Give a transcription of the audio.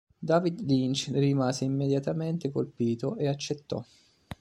David Lynch ne rimase immediatamente colpito e accettò.